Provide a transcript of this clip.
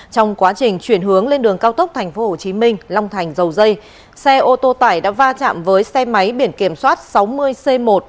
trong quá trình chuyển hướng lên đường cao tốc tp hcm long thành dầu dây xe ô tô tải đã va chạm với xe máy biển kiểm soát sáu mươi c một trăm bốn mươi bốn nghìn năm trăm tám mươi năm